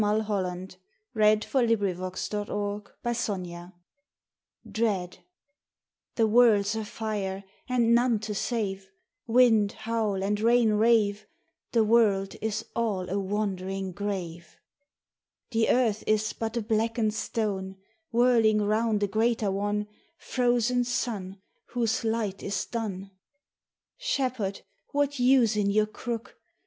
The soul's cry in the blast with the rain, 61 BteaD T HE world's afire and none to save Wind howl and rain rave, The world is all a wandering grave ! The earth is but a blackened stone Whirling round a greater one, — Frozen sun whose light is done ! Shepherd, what use in your crook